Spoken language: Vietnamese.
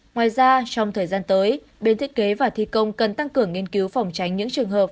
ngoài ra trong thời gian tới bên thiết kế và thi công cần tăng cường nghiên cứu phòng tránh những trường hợp